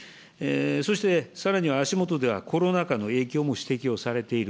そしてさらに足下ではコロナ禍の影響も指摘をされている。